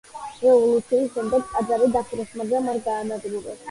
რევოლუციის შემდეგ ტაძარი დახურეს, მაგრამ არ გაანადგურეს.